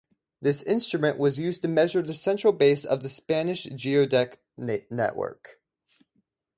This instrument was used to measure the central base of the Spanish geodetic network.